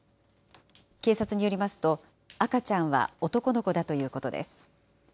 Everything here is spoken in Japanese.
警察によりますと、赤ちゃんは男の子だということです。